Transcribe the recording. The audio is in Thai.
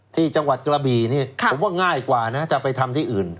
ที่จังหวัดกระบี่นี่ผมว่าง่ายกว่านะจะไปทำที่อื่น